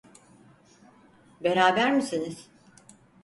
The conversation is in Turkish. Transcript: Beraber misiniz?